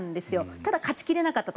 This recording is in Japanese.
ただ、勝ち切れなかったと。